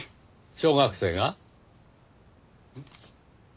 小学生が？